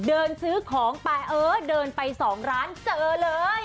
เดินซื้อของไปเออเดินไป๒ร้านเจอเลย